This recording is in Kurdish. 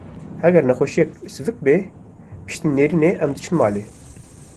Heger nexwşiyeke sivik be, piştî lênêrînê em diçin malê.